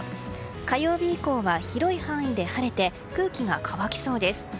火曜日以降は広い範囲で晴れて空気が乾きそうです。